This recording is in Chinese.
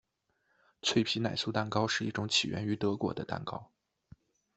脆皮奶酥蛋糕是一种起源于德国的蛋糕。